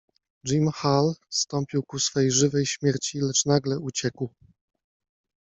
Jim Hall zstąpił ku swej żywej śmierci, lecz nagle uciekł.